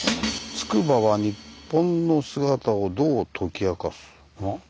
「つくばは“日本の姿”をどう解き明かす？」。